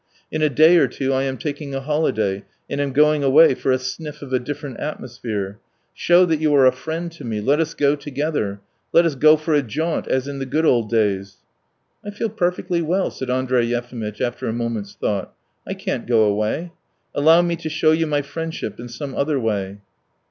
In a day or two I am taking a holiday and am going away for a sniff of a different atmosphere. Show that you are a friend to me, let us go together! Let us go for a jaunt as in the good old days." "I feel perfectly well," said Andrey Yefimitch after a moment's thought. "I can't go away. Allow me to show you my friendship in some other way."